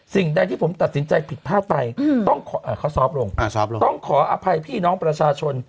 สิ่งใดที่ผมตัดสินใจผิดพลาดไปต้องเขาซอฟต์ลงต้องขออภัยพี่น้องประชาชน